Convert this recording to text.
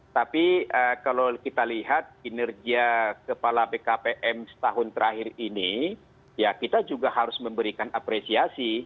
tapi kalau kita lihat kinerja kepala bkpm setahun terakhir ini ya kita juga harus memberikan apresiasi